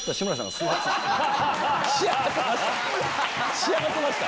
仕上がってました？